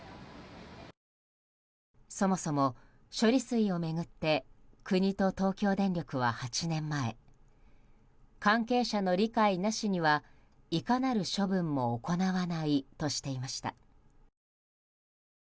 そもそも、処理水を巡って国と東京電力は８年前、関係者の理解なしにはいかなる処分も行わないとしていました。